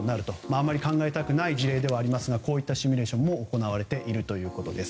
あまり考えたくない事例ですがこういったシミュレーションも行われているということです。